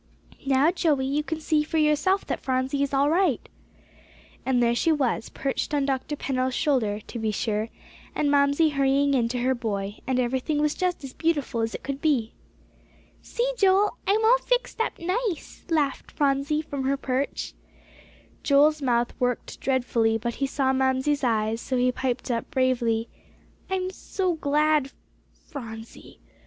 "Now, Joey, you can see for yourself that Phronsie is all right." And there she was, perched on Dr. Pennell's shoulder, to be sure, and Mamsie hurrying in to her boy, and everything was just as beautiful as it could be! "See, Joel, I'm all fixed up nice," laughed Phronsie from her perch. [Illustration: "SEE, JOEL, I'M ALL FIXED UP NICE," LAUGHED PHRONSIE FROM HER PERCH.] Joel's mouth worked dreadfully, but he saw Mamsie's eyes, so he piped up bravely, "I'm so glad, Phronsie."